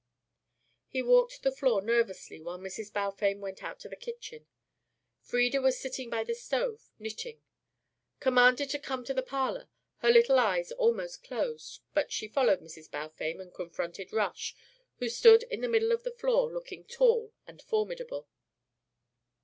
He walked the floor nervously while Mrs. Balfame went out to the kitchen. Frieda was sitting by the stove knitting. Commanded to come to the parlour, her little eyes almost closed, but she followed Mrs. Balfame and confronted Rush, who stood in the middle of the room looking tall and formidable.